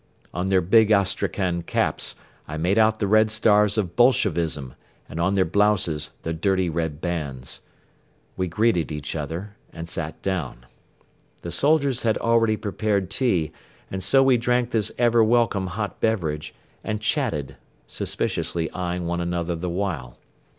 On their big Astrakhan caps I made out the red stars of Bolshevism and on their blouses the dirty red bands. We greeted each other and sat down. The soldiers had already prepared tea and so we drank this ever welcome hot beverage and chatted, suspiciously eyeing one another the while.